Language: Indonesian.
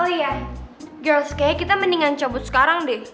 oh iya girls kayaknya kita mendingan cabut sekarang deh